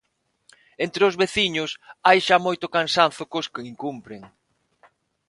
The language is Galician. Entre os veciños hai xa moito cansazo cos que incumpren.